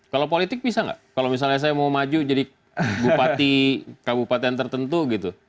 kalau politik bisa nggak kalau misalnya saya mau maju jadi bupati kabupaten tertentu gitu